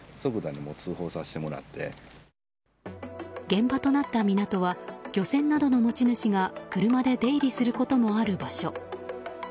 現場となった港は漁船などの持ち主が車で出入りすることもある場所。